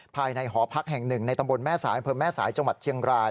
ภายในหอพักแห่งหนึ่งในตำบลแม่สายอำเภอแม่สายจังหวัดเชียงราย